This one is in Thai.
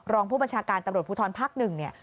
รองผู้ประชาการตำรวจภูทรภักดิ์๑